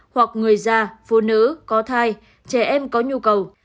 hoặc người già phụ nữ có thai trẻ em có nhu cầu